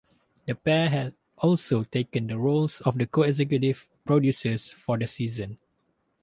The pair had also taken the roles of co-executive producers for the season.